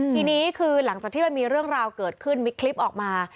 ทีนี้คือหลังจากที่มันมีเรื่องราวเกิดขึ้นมีคลิปออกมา